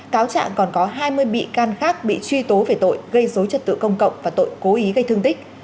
cáo trạng còn có hai mươi bị can khác bị truy tố về tội gây dối trật tự công cộng và tội cố ý gây thương tích